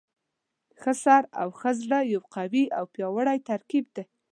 ښه سر او ښه زړه یو قوي او پیاوړی ترکیب دی.